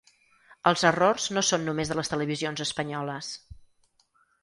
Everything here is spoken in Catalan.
Els errors no són només de les televisions espanyoles.